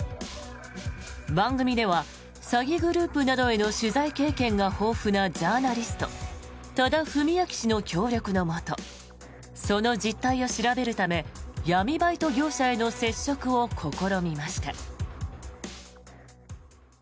番組では、詐欺グループなどへの取材経験が豊富なジャーナリスト多田文明氏の協力のもとその実態を調べるため闇バイト業者への接触を試みました。